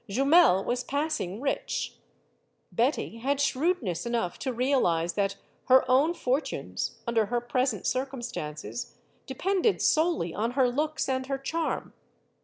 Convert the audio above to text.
Jumel was passing rich; Betty had shrewdness enough to realize that her own fortunes, under her present circumstances, depended solely on her looks and her charm.